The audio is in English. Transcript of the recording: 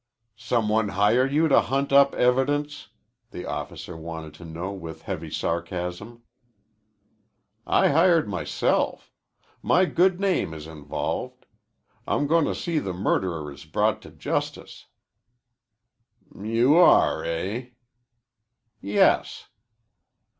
"Some one hire you to hunt up evidence?" the officer wanted to know with heavy sarcasm. "I hired myself. My good name is involved. I'm goin' to see the murderer is brought to justice." "You are, eh?" "Yes."